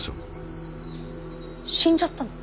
死んじゃったの？